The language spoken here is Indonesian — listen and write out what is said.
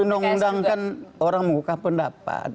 orang per orang diundang undangkan orang mengukah pendapat